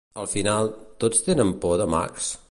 Al final, tots tenen por de Max?